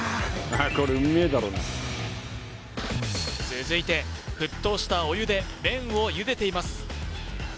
続いて沸騰したお湯で麺を茹でています